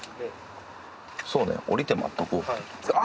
そうね降りて待っとこうか。